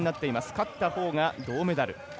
勝ったほうが銅メダル。